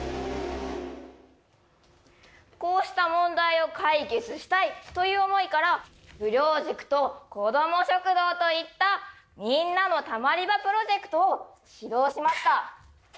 こうした問題を解決したいという思いから無料塾と子ども食堂といったみんなのたまり場プロジェクトを始動しました。